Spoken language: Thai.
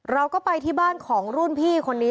เราก็ไปที่บ้านของรุ่นพี่คนนี้